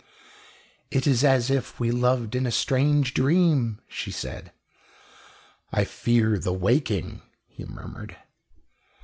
"It is as if we loved in a strange dream," she said. "I fear the waking," he murmured.